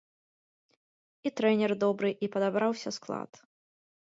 І трэнер добры, і падабраўся склад.